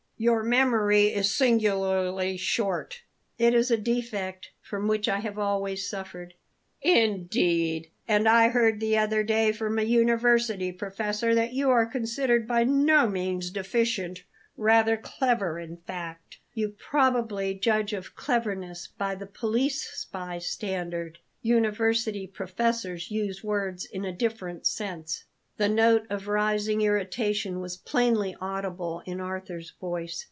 "Your memory is singularly short." "It is a defect from which I have always suffered." "Indeed! And I heard the other day from a university professor that you are considered by no means deficient; rather clever in fact." "You probably judge of cleverness by the police spy standard; university professors use words in a different sense." The note of rising irritation was plainly audible in Arthur's voice.